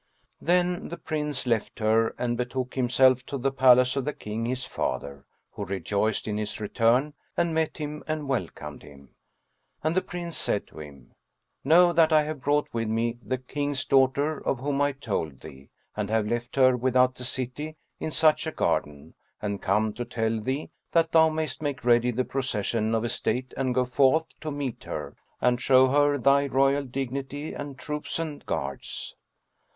Then the Prince left her and betook himself to the palace of the King his father, who rejoiced in his return and met him and welcomed him; and the Prince said to him, "Know that I have brought with me the King's daughter of whom I told thee; and have left her without the city in such a garden and come to tell thee, that thou mayst make ready the procession of estate and go forth to meet her and show her thy royal dignity and troops and guards."